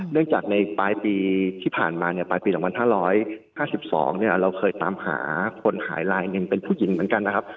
เนื่องจากในปลายปีที่ผ่านมาปลายปี๒๕๕๒เราเคยตามหาคนหายลายเงินเป็นผู้หญิงเหมือนกัน